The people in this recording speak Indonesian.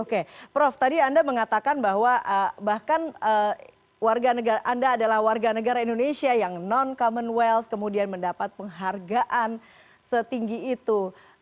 oke prof tadi anda mengatakan bahwa bahkan anda adalah warga negara indonesia yang non commonwealth kemudian mendapat penghargaan setinggi itu